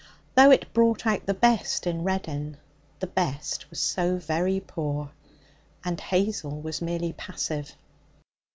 Though it brought out the best in Reddin, the best was so very poor. And Hazel was merely passive.